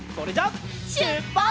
しゅっぱつ！